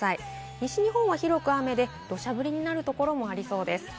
西日本は広く雨で土砂降りになるところもありそうです。